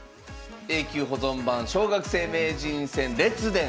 「永久保存版小学生名人戦列伝」。